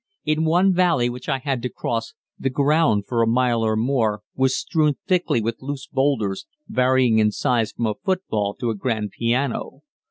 In one valley which I had to cross, the ground, for a mile or more, was strewn thickly with loose boulders, varying in size from a football to a grand piano.